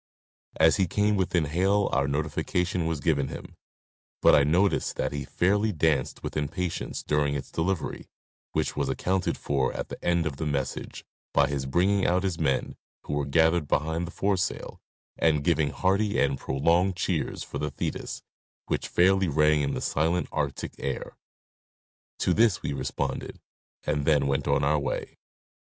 As he came within hail our notification was given him, but I noticed that he fairly danced with impatience during its delivery, which was accounted for at the end of the message by his bringing out his men, who were gathered behind the foresail, and giving hearty and prolonged cheers for the Thetis which fairly rang in the silent Arctic air. To this we responded and then went on our way.